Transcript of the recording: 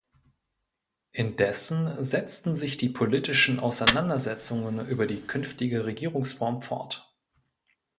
Indessen setzten sich die politischen Auseinandersetzungen über die künftige Regierungsform fort.